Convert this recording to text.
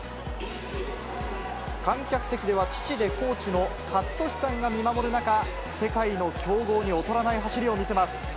観客席では父でコーチのかつとしさんが見守る中、世界の強豪に劣らない走りを見せます。